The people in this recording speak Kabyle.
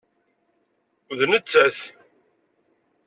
D nettat.